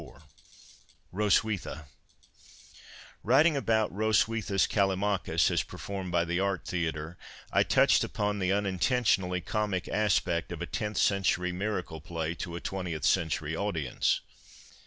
23G HROSWITHA Whitixg about Hroswitha's CallimachuSy as performed by the Art Theatre, I touched upon the unintentionally comic aspect of a tenth century miracle play to a twentieth century audience.